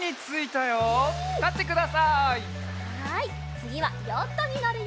つぎはヨットにのるよ。